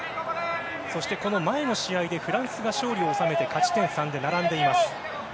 前の試合でフランスが勝利を収めて勝ち点３で並んでいます。